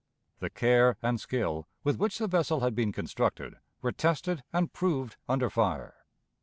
The care and skill with which the vessel had been constructed were tested and proved under fire.